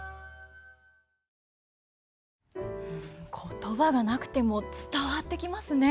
言葉がなくても伝わってきますね。